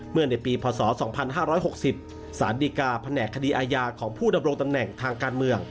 ในปีพศ๒๕๖๐สารดีกาแผนกคดีอาญาของผู้ดำรงตำแหน่งทางการเมือง